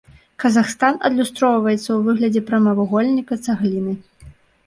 Казахстан адлюстроўваецца ў выглядзе прамавугольніка-цагліны.